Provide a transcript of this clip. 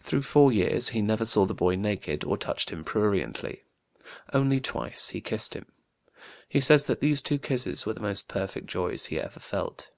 Through four years he never saw the boy naked or touched him pruriently. Only twice he kissed him. He says that these two kisses were the most perfect joys he ever felt.